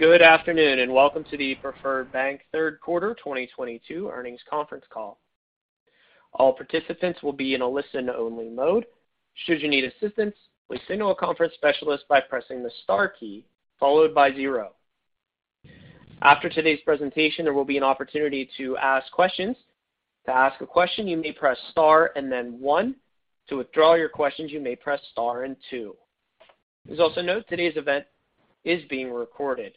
Good afternoon, and welcome to the Preferred Bank Q3 2022 Earnings Conference Call. All participants will be in a listen-only mode. Should you need assistance, please signal a conference specialist by pressing the star key followed by zero. After today's presentation, there will be an opportunity to ask questions. To ask a question, you may press star and then one. To withdraw your questions, you may press star and two. Please also note today's event is being recorded.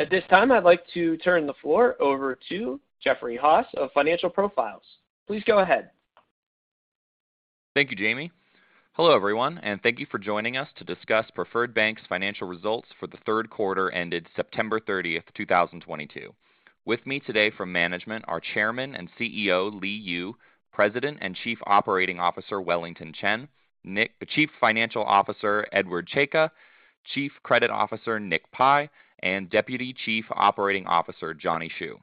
At this time, I'd like to turn the floor over to Jeffrey Haas of Financial Profiles. Please go ahead. Thank you, Jamie. Hello, everyone, and thank you for joining us to discuss Preferred Bank's financial results for the Q3 ended September 30, 2022. With me today from management are Chairman and CEO Li Yu, President and Chief Operating Officer Wellington Chen, Chief Financial Officer Edward J. Czajka, Chief Credit Officer Nick Pi, and Deputy Chief Operating Officer Johnny Hsu.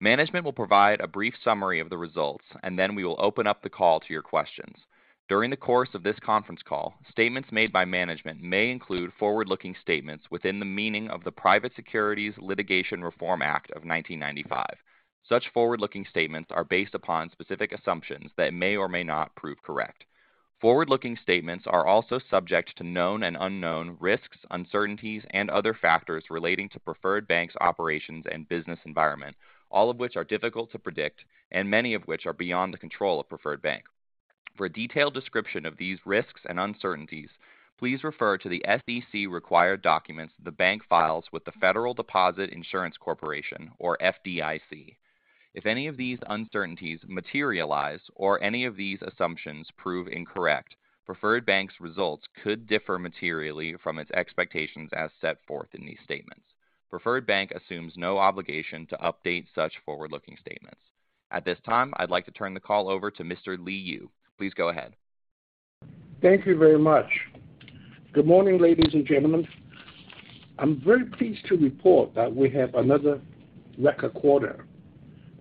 Management will provide a brief summary of the results, and then we will open up the call to your questions. During the course of this conference call, statements made by management may include forward-looking statements within the meaning of the Private Securities Litigation Reform Act of 1995. Such forward-looking statements are based upon specific assumptions that may or may not prove correct. Forward-looking statements are also subject to known and unknown risks, uncertainties and other factors relating to Preferred Bank's operations and business environment, all of which are difficult to predict and many of which are beyond the control of Preferred Bank. For a detailed description of these risks and uncertainties, please refer to the SEC required documents the bank files with the Federal Deposit Insurance Corporation or FDIC. If any of these uncertainties materialize or any of these assumptions prove incorrect, Preferred Bank's results could differ materially from its expectations as set forth in these statements. Preferred Bank assumes no obligation to update such forward-looking statements. At this time, I'd like to turn the call over to Mr. Li Yu. Please go ahead. Thank you very much. Good morning, ladies and gentlemen. I'm very pleased to report that we have another record quarter.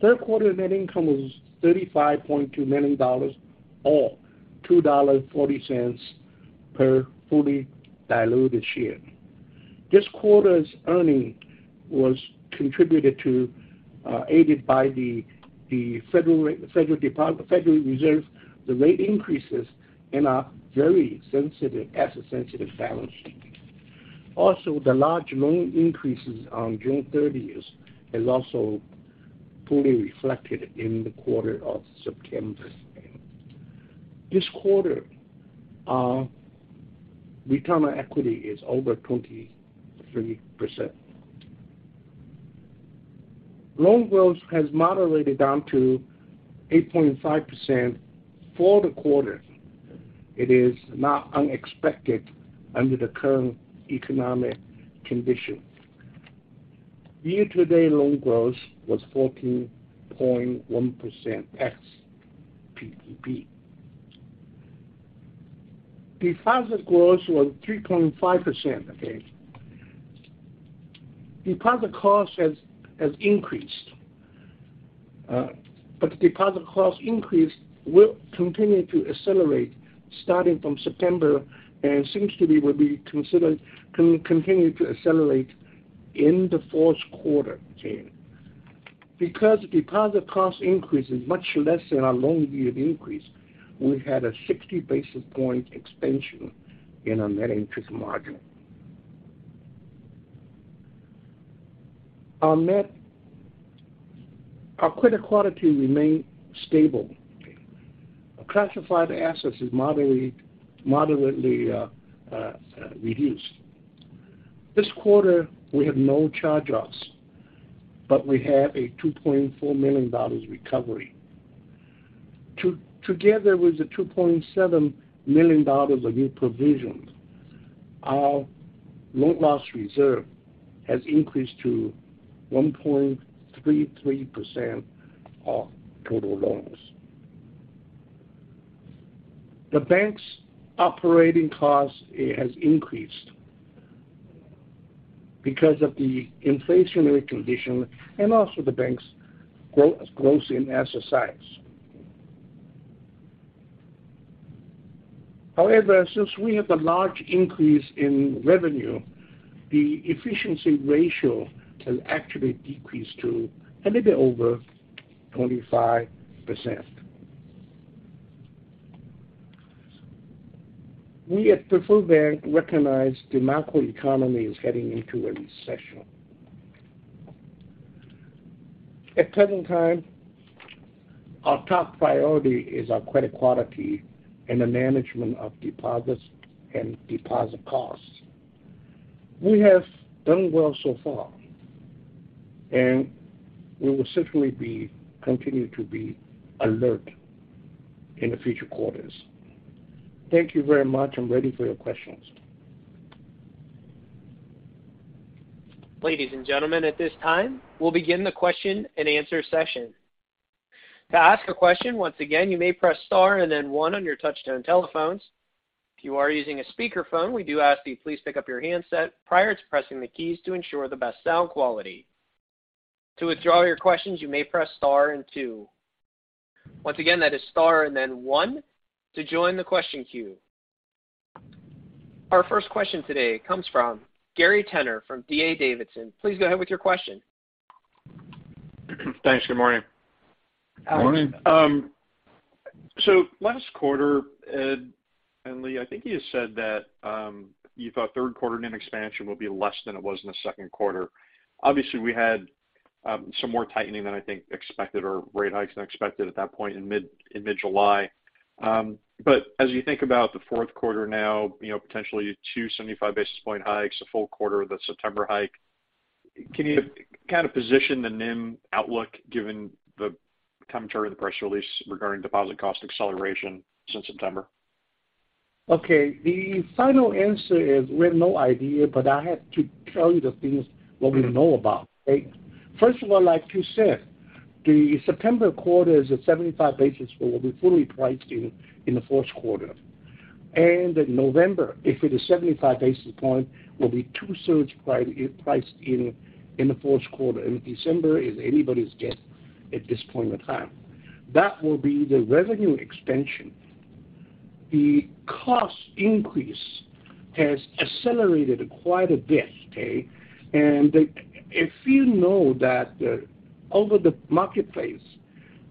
Q3 net income was $35.2 million or $2.40 per fully diluted share. This quarter's earnings was contributed to, aided by the Federal Reserve, the rate increases in our very sensitive, asset-sensitive balance sheet. Also, the large loan increases on June 30th are also fully reflected in the quarter of September. This quarter, our return on equity is over 23%. Loan growth has moderated down to 8.5% for the quarter. It is not unexpected under the current economic condition. Year-to-date loan growth was 14.1% ex-PPP. Deposit growth was 3.5%. Okay? Deposit cost has increased, but the deposit cost increase will continue to accelerate starting from September and seems to continue to accelerate in the Q4. Okay? Because deposit cost increase is much less than our loan yield increase, we had a 60 basis point expansion in our net interest margin. Our credit quality remained stable. Okay? Our classified assets is moderately reduced. This quarter, we have no charge-offs, but we have a $2.4 million recovery. Together with the $2.7 million of new provisions, our loan loss reserve has increased to 1.33% of total loans. The bank's operating cost has increased because of the inflationary condition and also the bank's growth in asset size. However, since we have a large increase in revenue, the efficiency ratio has actually decreased to a little bit over 25%. We at Preferred Bank recognize the macroeconomy is heading into a recession. At present time, our top priority is our credit quality and the management of deposits and deposit costs. We have done well so far, and we will certainly continue to be alert in the future quarters. Thank you very much. I'm ready for your questions. Ladies and gentlemen, at this time, we'll begin the Q&A. To ask a question, once again, you may press star and then one on your touch-tone telephones. If you are using a speakerphone, we do ask that you please pick up your handset prior to pressing the keys to ensure the best sound quality. To withdraw your questions, you may press star and two. Once again, that is star and then one to join the question queue. Our first question today comes from Gary Tenner from D.A. Davidson. Please go ahead with your question. Thanks. Good morning. Good morning. Last quarter, Ed and Li, I think you said that you thought Q3 NIM expansion will be less than it was in the Q2. Obviously, we had some more tightening than I think expected or rate hikes than expected at that point in mid-July. As you think about the Q4 now, you know, potentially 275 basis point hikes, a full quarter of the September hike, can you kind of position the NIM outlook given the commentary in the press release regarding deposit cost acceleration since September? Okay. The final answer is we have no idea, but I have to tell you the things what we know about, okay? First of all, like you said, the September quarter is at 75 basis points will be fully priced in the Q4. In November, if it is 75 basis points, will be two thirds priced in the Q4. December is anybody's guess at this point in time. That will be the revenue expansion. The cost increase has accelerated quite a bit, okay? If you know that, over the marketplace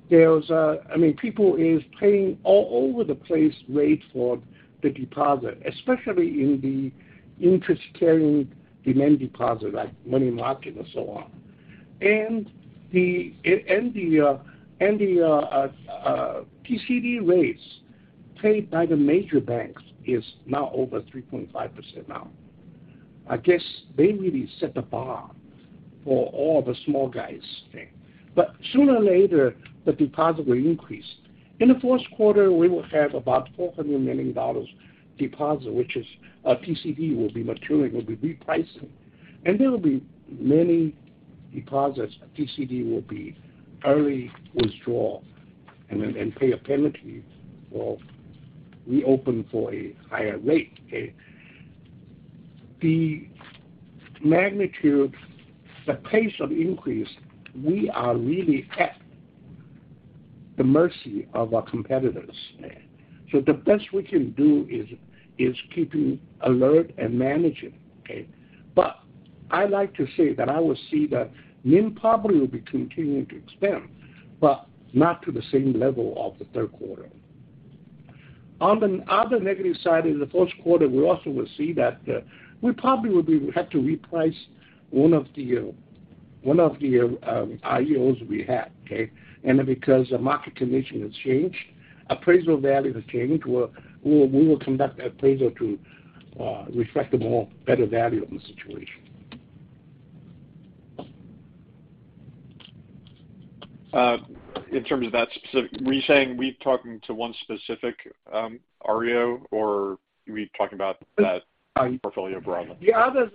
there's a, I mean, people is paying all over the place rate for the deposit, especially in the interest-bearing demand deposit, like money market and so on. The CD rates paid by the major banks is now over 3.5% now. I guess they really set the bar for all the small guys there. Sooner or later, the deposit will increase. In the Q4, we will have about $400 million deposit, which is, CD will be maturing, will be repricing. There will be many deposits CD will be early withdrawal and then, and pay a penalty or reopen for a higher rate, okay? The magnitude, the pace of increase, we are really at the mercy of our competitors. The best we can do is keeping alert and managing, okay? I like to say that I will see that NIM probably will be continuing to expand, but not to the same level of the Q3. On the other negative side, in the Q4, we also will see that we probably will have to reprice one of the REOs we have, okay? Then because the market condition has changed, appraisal value has changed, we will conduct appraisal to reflect a more better value of the situation. In terms of that specific, were you saying we're talking to one specific REO or are we talking about that portfolio broadly? The others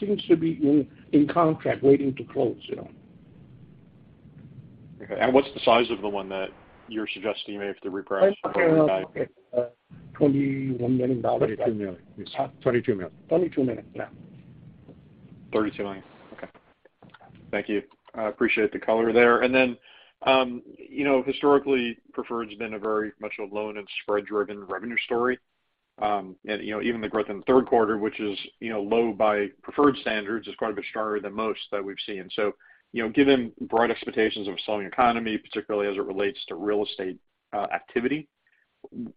seem to be under contract waiting to close, you know. Okay. What's the size of the one that you're suggesting may have to reprice? $21 million. $22 million. Huh? $22 million. $22 million, yeah. $32 million. Okay. Thank you. I appreciate the color there. Then, you know, historically, Preferred's been a very much a loan and spread-driven revenue story. You know, even the growth in the Q3, which is, you know, low by Preferred standards, is quite a bit stronger than most that we've seen. You know, given broad expectations of a slowing economy, particularly as it relates to real estate activity,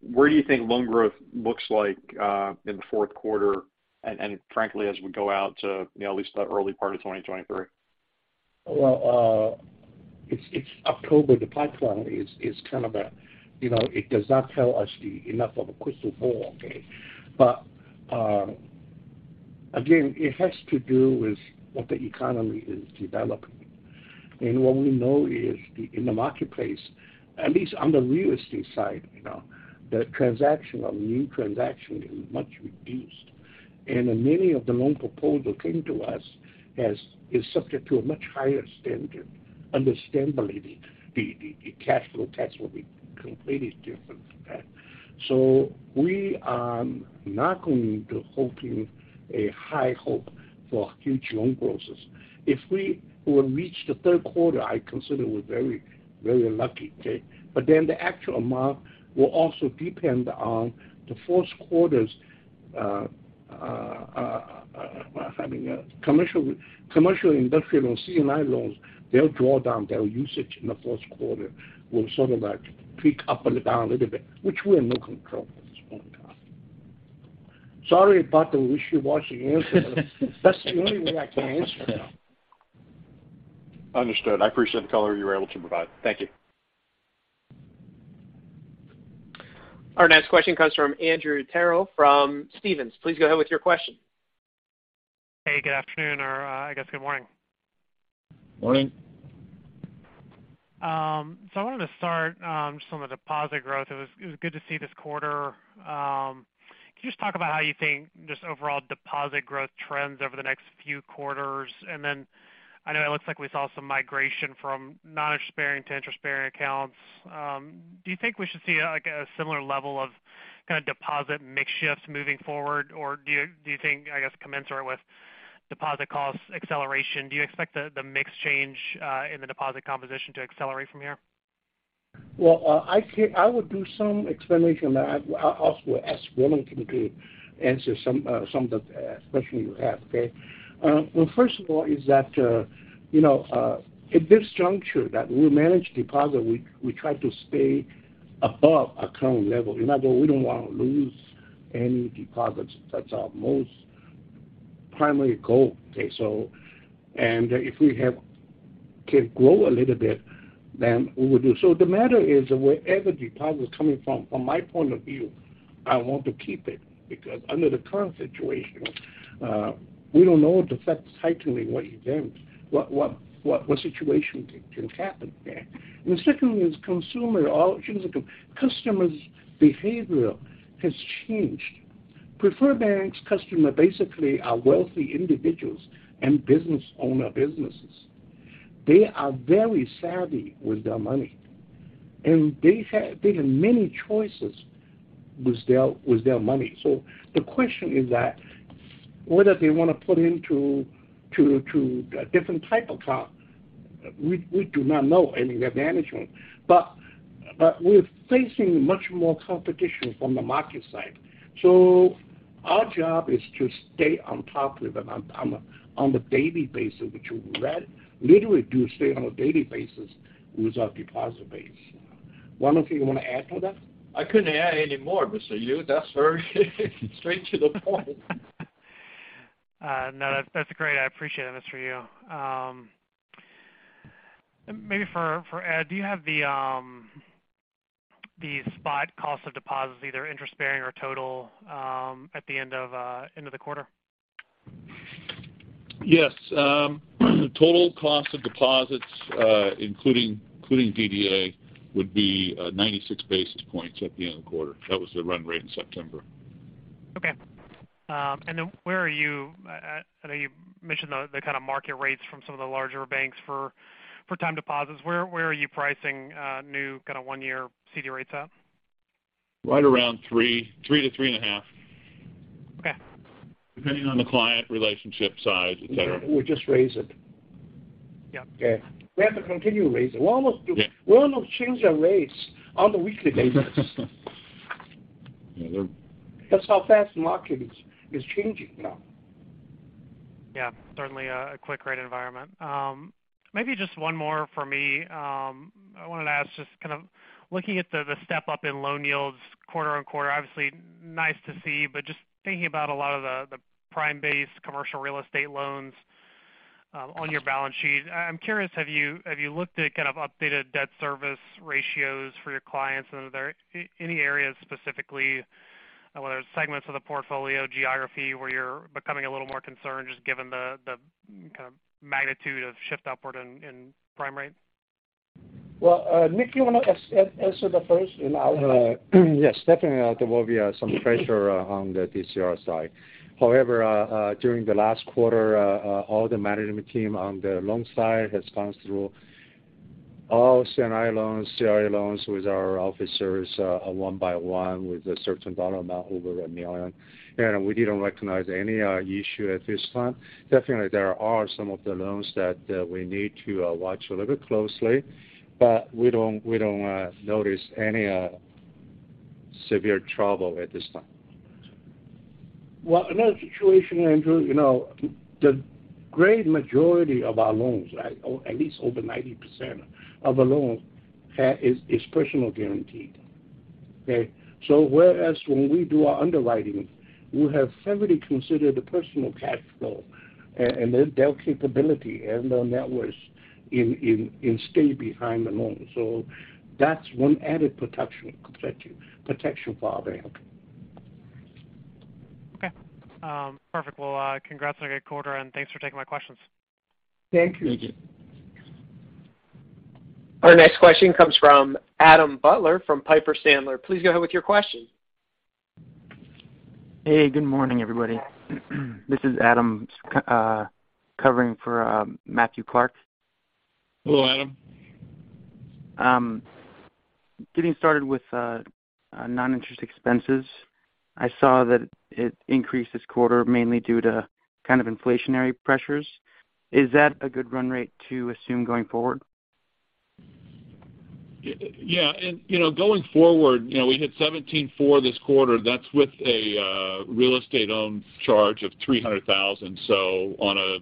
where do you think loan growth looks like in the Q4 and, frankly, as we go out to, you know, at least the early part of 2023? Well, it's October. The pipeline is kind of a, you know, it does not tell us enough of a crystal ball, okay? Again, it has to do with what the economy is developing. What we know is in the marketplace, at least on the real estate side, you know, the transaction of new transactions is much reduced. Many of the loan proposals came to us as is subject to a much higher standard. Understandably, the cash flow test will be completely different than that. We are not going to have high hopes for huge loan production. If we will reach the Q3, I consider we're very lucky, okay? The actual amount will also depend on the Q4's, I mean, commercial industrial C&I loans, their drawdown, their usage in the Q4 will sort of like peak up and down a little bit, which we're in no control at this point in time. Sorry about the wishy-washy answer. That's the only way I can answer now. Understood. I appreciate the color you were able to provide. Thank you. Our next question comes from Andrew Terrell from Stephens. Please go ahead with your question. Hey, good afternoon, or, I guess good morning. Morning. I wanted to start just on the deposit growth. It was good to see this quarter. Can you just talk about how you think just overall deposit growth trends over the next few quarters? Then I know it looks like we saw some migration from non-interest bearing to interest-bearing accounts. Do you think we should see, like, a similar level of kind of deposit mix shifts moving forward? Or do you think, I guess, commensurate with deposit cost acceleration. Do you expect the mix change in the deposit composition to accelerate from here? Well, I would do some explanation. I also will ask Wellington to answer some of the questions you have. Okay? Well, first of all is that, you know, at this juncture that we manage deposits, we try to stay above account level. In other words, we don't wanna lose any deposits. That's our most primary goal. Okay. If we can grow a little bit, then we will do. The matter is wherever deposits are coming from my point of view, I want to keep it because under the current situation, we don't know the Fed's tightening, what events, what situation can happen there. Secondly, all consumers, customers' behavior has changed. Preferred Bank's customers basically are wealthy individuals and business owners businesses. They are very savvy with their money. They have many choices with their money. The question is that whether they wanna put into a different type of account, we do not know any of their management. We're facing much more competition from the market side. Our job is to stay on top of them on a daily basis, which we literally do stay on a daily basis with our deposit base. Wellington, you wanna add to that? I couldn't add any more, Mr. Yu. That's very straight to the point. No, that's great. I appreciate it, Mr. Yu. Maybe for Ed, do you have the spot cost of deposits, either interest-bearing or total, at the end of the quarter? Yes. Total cost of deposits, including DDA, would be 96 basis points at the end of the quarter. That was the run rate in September. Okay. Where are you at, I know you mentioned the kind of market rates from some of the larger banks for time deposits. Where are you pricing new kind of one-year CD rates at? Right around 3-3.5. Okay. Depending on the client relationship size, etc. We just raise it. Yeah. Yeah. We have to continue to raise it. We're almost do- Yeah. We almost change our rates on a weekly basis. Yeah. That's how fast the market is changing now. Yeah. Certainly a quick rate environment. Maybe just one more for me. I wanted to ask, just kind of looking at the step-up in loan yields quarter-over-quarter, obviously nice to see, but just thinking about a lot of the prime-based commercial real estate loans on your balance sheet. I'm curious, have you looked at kind of updated debt service ratios for your clients? And are there any areas specifically, whether it's segments of the portfolio, geography, where you're becoming a little more concerned just given the kind of magnitude of shift upward in prime rates? Well, Nick, you wanna answer the first, and I'll- Yes. Definitely, there will be some pressure on the DCR side. However, during the last quarter, all the management team on the loan side has gone through all C&I loans, CRE loans with our officers, one by one with a certain dollar amount over a million. We didn't recognize any issue at this time. Definitely, there are some of the loans that we need to watch a little bit closely, but we don't notice any severe trouble at this time. Well, another situation, Andrew, you know, the great majority of our loans, right, or at least over 90% of the loans is personally guaranteed. Okay? Whereas when we do our underwriting, we have heavily considered the personal cash flow and their capability and their networks in stand behind the loan. That's one added protection for our bank. Okay. Perfect. Well, congrats on a good quarter, and thanks for taking my questions. Thank you. Thank you. Our next question comes from Adam Butler from Piper Sandler. Please go ahead with your question. Hey, good morning, everybody. This is Adam covering for Matthew Clark. Hello, Adam. Getting started with non-interest expenses. I saw that it increased this quarter mainly due to kind of inflationary pressures. Is that a good run rate to assume going forward? Yeah. You know, going forward, you know, we hit 17.4 this quarter. That's with a real estate owned charge of $300,000. On a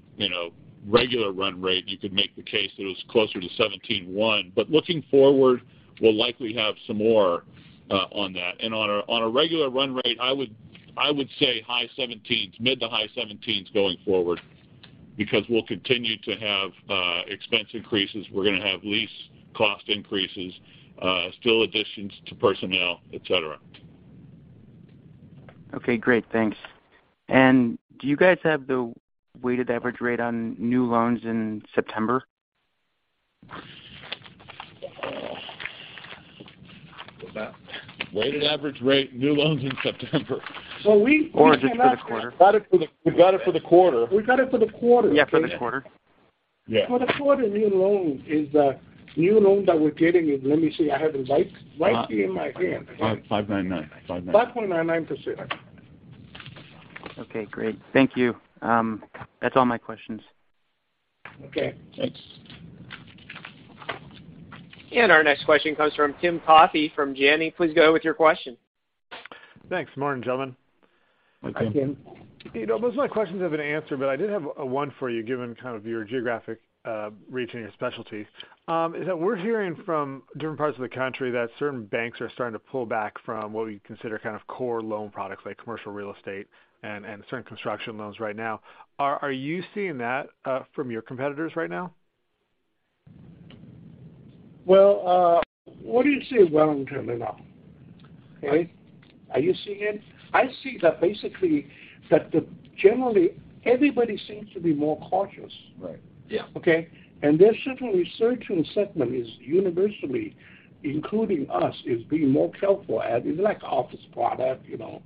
regular run rate, you could make the case that it was closer to 17.1. Looking forward, we'll likely have some more on that. On a regular run rate, I would say high 17s, mid to high 17s going forward because we'll continue to have expense increases. We're gonna have lease cost increases, still additions to personnel, et cetera. Okay, great. Thanks. Do you guys have the weighted average rate on new loans in September? What's that? Weighted average rate, new loans in September. Well, we Just for the quarter. We got it for the quarter. We got it for the quarter. Yeah, for this quarter. Yeah. For the quarter, new loan that we're getting is. Let me see, I have it right here in my hand. Five, five nine nine. Five nine. 5.9% Okay, great. Thank you. That's all my questions. Okay, thanks. Our next question comes from Tim Coffey from Janney. Please go with your question. Thanks. Morning, gentlemen. Morning. Hi, Tim. You know, most of my questions have been answered, but I did have one for you given kind of your geographic reach and your specialty. Is it that we're hearing from different parts of the country that certain banks are starting to pull back from what we consider kind of core loan products like commercial real estate and certain construction loans right now. Are you seeing that from your competitors right now? Well, what do you see, Wellington, right now? Okay. Are you seeing it? I see that basically generally everybody seems to be more cautious. Right. Yeah. Okay? There's certainly certain segment is universally, including us, is being more careful at, like, office product, you know.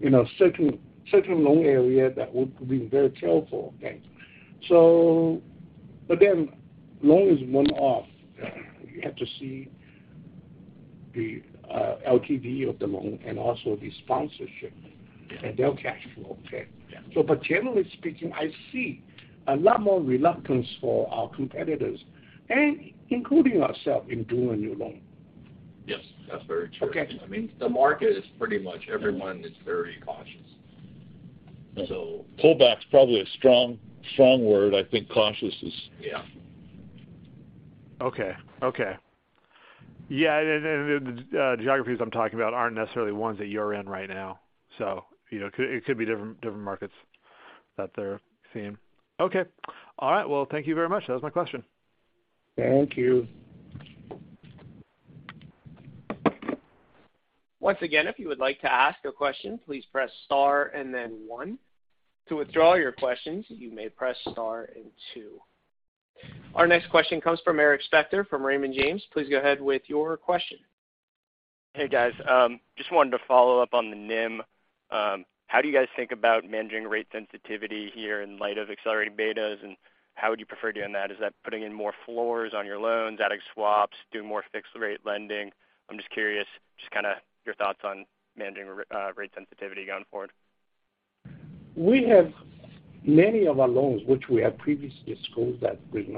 You know, certain loan area that we're being very careful. Okay. Loan is one-off. You have to see the LTV of the loan and also the sponsorship and their cash flow. Okay? Yeah. Generally speaking, I see a lot more reluctance for our competitors and including ourselves in doing a new loan. Yes, that's very true. Okay. I mean, the market is pretty much everyone is very cautious. Pullback's probably a strong word. I think cautious is. Yeah. Okay. Yeah, and then the geographies I'm talking about aren't necessarily ones that you're in right now. You know, it could be different markets that they're seeing. Okay. All right. Well, thank you very much. That was my question. Thank you. Once again, if you would like to ask a question, please press star and then one. To withdraw your questions, you may press star and two. Our next question comes from Eric Spector from Raymond James. Please go ahead with your question. Hey, guys. Just wanted to follow up on the NIM. How do you guys think about managing rate sensitivity here in light of accelerating betas, and how would you prefer doing that? Is that putting in more floors on your loans, adding swaps, doing more fixed rate lending? I'm just curious, just kinda your thoughts on managing rate sensitivity going forward. We have many of our loans which we have previously disclosed that there's.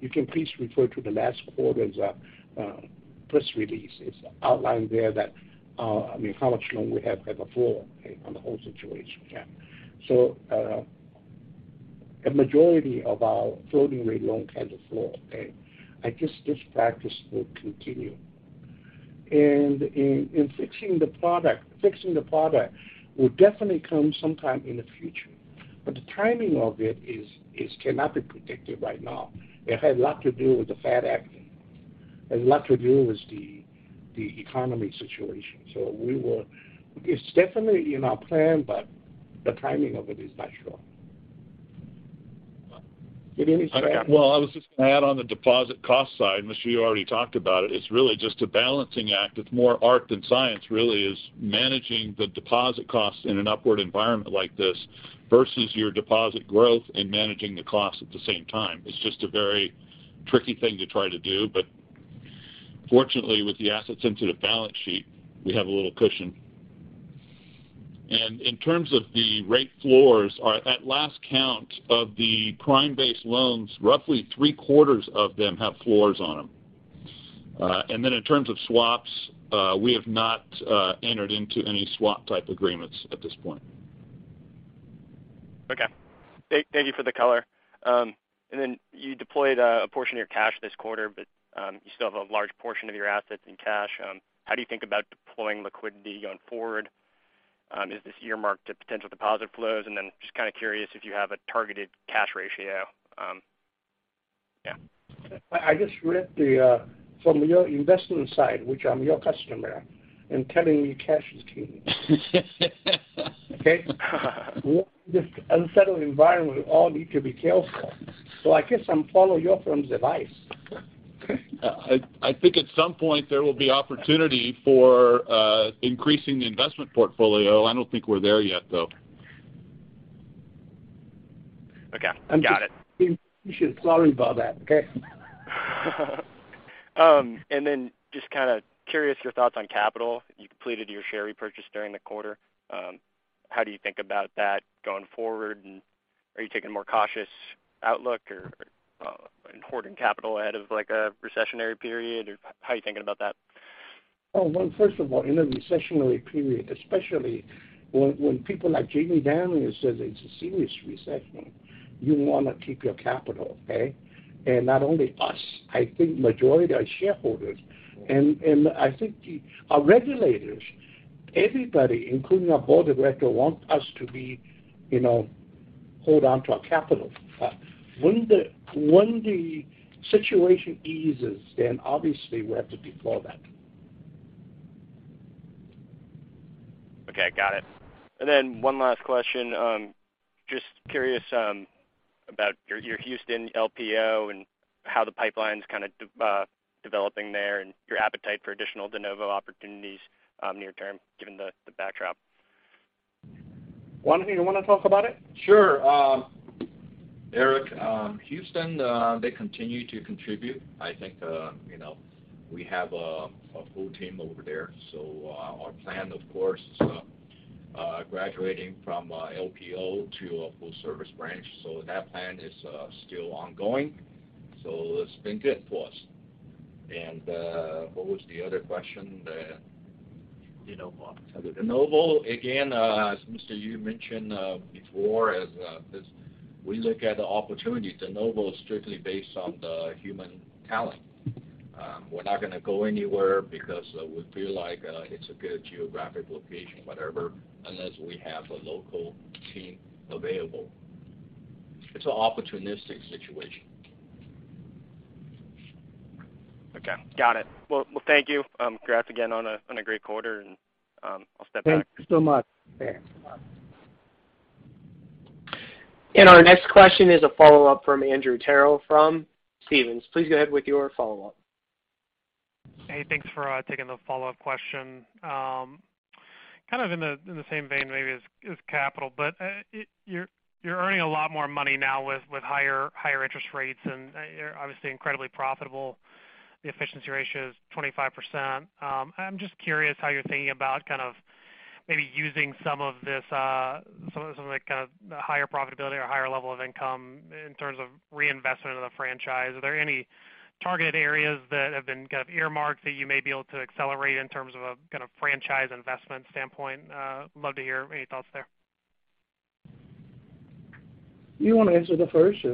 You can please refer to the last quarter's press release. It's outlined there that, I mean, how much loan we have as a floor, okay, on the whole situation. Yeah. A majority of our floating rate loan has a floor. Okay? I guess this practice will continue. In fixing the product will definitely come sometime in the future, but the timing of it cannot be predicted right now. It has a lot to do with the Fed acting. It has a lot to do with the economic situation. It's definitely in our plan, but the timing of it is not sure. Did any strap? Well, I was just gonna add on the deposit cost side, unless you already talked about it. It's really just a balancing act. It's more art than science, really, is managing the deposit costs in an upward environment like this versus your deposit growth and managing the costs at the same time. It's just a very tricky thing to try to do. Fortunately, with the asset-sensitive balance sheet, we have a little cushion. In terms of the rate floors, our at last count of the prime-based loans, roughly three-quarters of them have floors on them. And then in terms of swaps, we have not entered into any swap type agreements at this point. Okay. Thank you for the color. You deployed a portion of your cash this quarter, but you still have a large portion of your assets in cash. How do you think about deploying liquidity going forward? Is this earmarked to potential deposit flows? Just kind of curious if you have a targeted cash ratio. Yeah. I just read the from your investment side, which I'm your customer, and telling me cash is king. Okay? In this unsettled environment, we all need to be careful. I guess I'm follow your firm's advice. I think at some point there will be opportunity for increasing the investment portfolio. I don't think we're there yet, though. Okay. Got it. You should. Sorry about that. Okay? Just kinda curious your thoughts on capital. You completed your share repurchase during the quarter. How do you think about that going forward, and are you taking a more cautious outlook or and hoarding capital ahead of, like, a recessionary period? Or how are you thinking about that? Oh, well, first of all, in a recessionary period, especially when people like Jamie Dimon says it's a serious recession, you wanna keep your capital, okay? Not only us, I think majority are shareholders. I think our regulators, everybody, including our board of director, want us to be, you know, hold on to our capital. When the situation eases, then obviously we have to deploy that. Okay. Got it. One last question. Just curious about your Houston LPO and how the pipeline's kind of developing there and your appetite for additional de novo opportunities near term, given the backdrop. Johnny Hsu, you want to talk about it? Sure. Eric, Houston, they continue to contribute. I think, you know, we have a full team over there. Our plan, of course, is graduating from LPO to a full-service branch. That plan is still ongoing, so it's been good for us. What was the other question? De Novo. De Novo, again, as Mr. Yu mentioned before, as we look at the opportunity, de novo is strictly based on the human talent. We're not gonna go anywhere because we feel like it's a good geographic location, whatever, unless we have a local team available. It's an opportunistic situation. Okay, got it. Well, thank you. Congrats again on a great quarter and, I'll step back. Thank you so much. Okay. Bye. Our next question is a follow-up from Andrew Terrell from Stephens. Please go ahead with your follow-up. Hey, thanks for taking the follow-up question. Kind of in the same vein maybe as capital, but you're earning a lot more money now with higher interest rates, and you're obviously incredibly profitable. The efficiency ratio is 25%. I'm just curious how you're thinking about kind of maybe using some of this, some of the higher profitability or higher level of income in terms of reinvestment of the franchise. Are there any targeted areas that have been kind of earmarked that you may be able to accelerate in terms of a kind of franchise investment standpoint? Love to hear any thoughts there. You wanna answer that first or?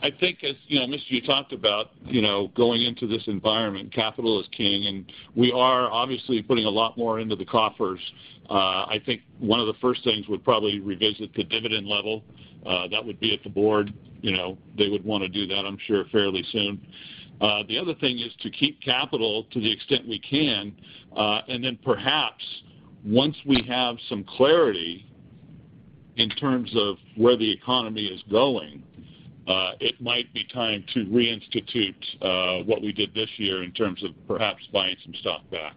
I think as you know, Mr. Yu talked about, you know, going into this environment, capital is king, and we are obviously putting a lot more into the coffers. I think one of the first things would probably revisit the dividend level. That would be at the board. You know, they would wanna do that, I'm sure, fairly soon. The other thing is to keep capital to the extent we can, and then perhaps once we have some clarity in terms of where the economy is going, it might be time to reinstitute what we did this year in terms of perhaps buying some stock back.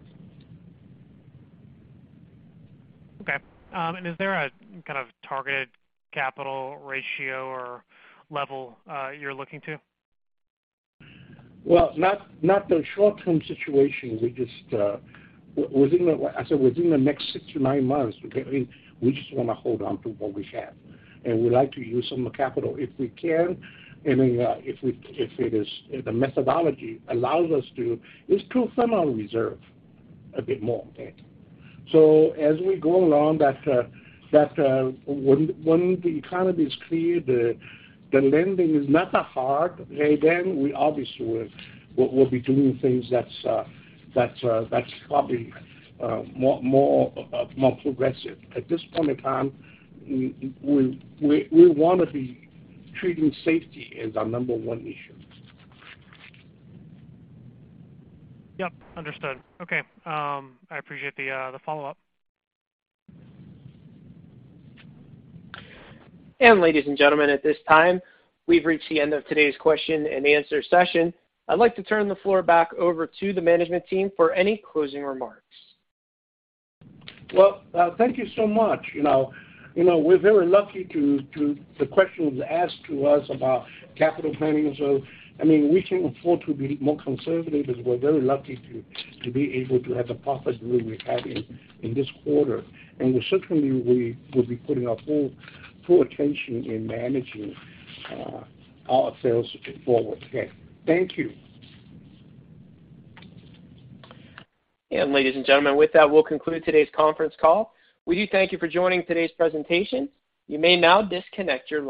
Okay. Is there a kind of targeted capital ratio or level you're looking to? Well, not the short-term situation. We just within the next six-nine months. I said within the next six-nine months, we just wanna hold on to what we have. We like to use some of the capital if we can and if the methodology allows us to is to further our reserve a bit more. As we go along that when the economy is clear, the lending is not that hard, then we'll be doing things that's probably more progressive. At this point in time, we wanna be treating safety as our number one issue. Yep, understood. Okay. I appreciate the follow-up. Ladies and gentlemen, at this time, we've reached the end of today's question and answer session. I'd like to turn the floor back over to the management team for any closing remarks. Well, thank you so much. You know, we're very lucky to field the questions asked to us about capital planning. I mean, we can afford to be more conservative, and we're very lucky to be able to have the profit that we're having in this quarter. Certainly, we will be putting our full attention in managing our sales going forward. Okay. Thank you. Ladies and gentlemen, with that, we'll conclude today's conference call. We do thank you for joining today's presentation. You may now disconnect your lines.